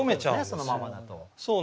そのままだと。